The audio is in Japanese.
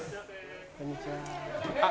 こんにちは。